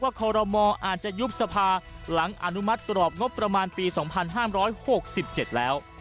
คอรมออาจจะยุบสภาหลังอนุมัติกรอบงบประมาณปี๒๕๖๗แล้ว